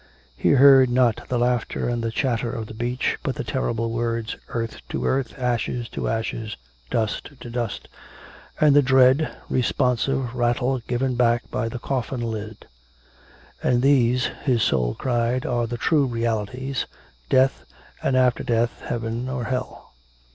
He heard not the laughter and the chatter of the beach, but the terrible words: Earth to earth, ashes to ashes, dust to dust, and the dread, responsive rattle given back by the coffin lid. 'And these,' his soul cried, 'are the true realities, death, and after death Heaven or Hell!'